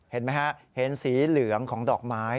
เห็นไหมฮะเห็นสีเหลืองของดอกไม้